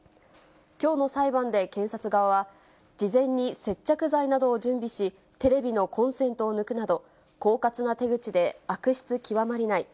きょうの裁判で検察側は、事前に接着剤などを準備し、テレビのコンセントを抜くなど、こうかつな手口で悪質極まりない。